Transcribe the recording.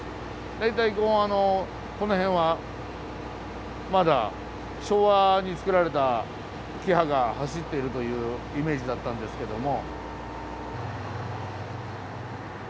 大体この辺はまだ昭和に作られたキハが走っているというイメージだったんですけども。